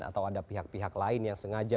atau ada pihak pihak lain yang sengaja